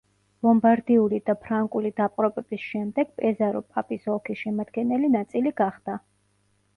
ლომბარდიული და ფრანკული დაპყრობების შემდეგ, პეზარო პაპის ოლქის შემადგენელი ნაწილი გახდა.